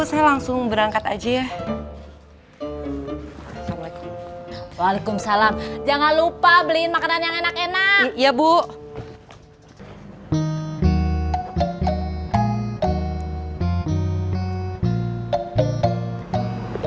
saya langsung berangkat aja waalaikumsalam jangan lupa beliin makanan yang enak enak ya bu